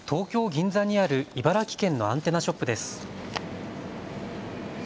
銀座にある茨城県のアンテナショップです。